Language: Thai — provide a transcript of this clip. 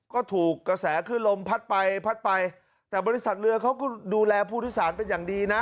ก็ถูกกระแสขึ้นลมพัดไปพัดไปแต่บริษัทเรือเขาก็ดูแลผู้โดยสารเป็นอย่างดีนะ